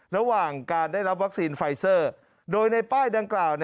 ระหว่างการได้รับวัคซีนไฟซอร์